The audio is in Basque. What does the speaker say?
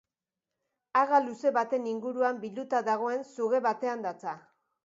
Haga luze baten inguruan bilduta dagoen suge batean datza.